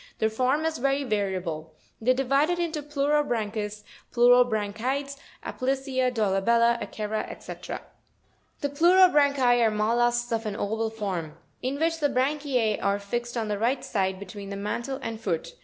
— Their form is very variable. They are divided into Pleurobran chus, Pleurobranchides, Aplysia, Dolabella, Akera, &c. 37. The PLEUROBRANCHI are mol lusks of an oval form; in which the branchie are fixed on the right side, between the mantle and foot (fig.